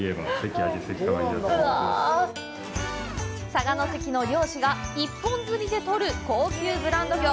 佐賀関の漁師が一本釣りで取る高級ブランド魚。